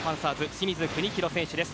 清水邦広選手です。